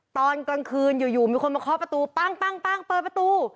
ตอนกลางคืนอยู่มีคนมาเคาะประตูปั้งเปิดประตู